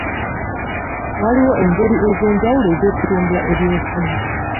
Waliwo engeri ez'enjawulo ez'okutumbula eby'enfuna.